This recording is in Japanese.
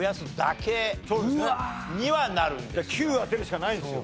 ９当てるしかないんですよ。